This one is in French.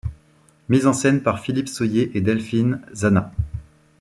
Mise en scène par Philippe Sohier et Delphine Zana.